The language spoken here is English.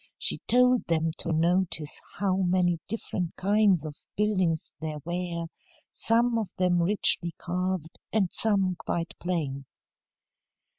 She told them to notice how many different kinds of buildings there were, some of them richly carved, and some quite plain.